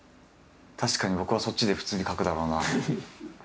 確かに僕はそっちで普通に書くだろうなあ。